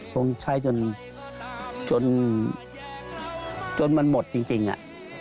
พระองค์ใช้จนมันหมดจริงน่ะ